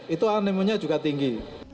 itu animenya juga tinggi